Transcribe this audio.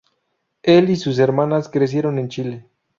Él y sus hermanas crecieron en Chile.